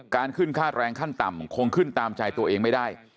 การขึ้นค่าแรงขั้นต่ำคงขึ้นตามใจตัวเองไม่ได้